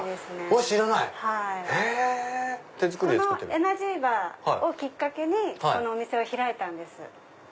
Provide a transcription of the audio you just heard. このエナジーバーをきっかけにこのお店を開いたんです。